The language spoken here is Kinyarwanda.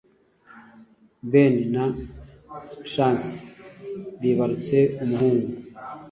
Ben na Chance bibarutse umuhungu,